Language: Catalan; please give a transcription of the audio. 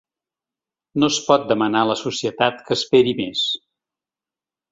No es pot demanar a la societat que esperi més